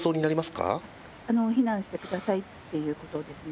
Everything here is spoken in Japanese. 避難してくださいっていうことですね。